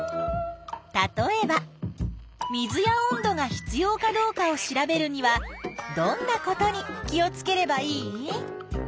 例えば水や温度が必要かどうかを調べるにはどんなことに気をつければいい？